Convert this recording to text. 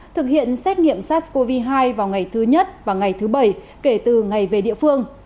thực hiện xét nghiệm sars cov hai vào ngày thứ nhất và ngày thứ bảy kể từ ngày về địa phương